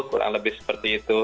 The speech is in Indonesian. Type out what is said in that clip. kurang lebih seperti itu